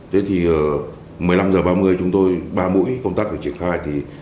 thế thì một mươi năm h ba mươi chúng tôi ba mũi công tác phải triển khai